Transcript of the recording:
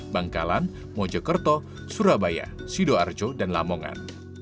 bangkalan mojokerto surabaya sidoarjo dan lamongan